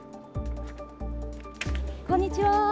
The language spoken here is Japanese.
こんにちは。